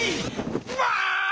うわ！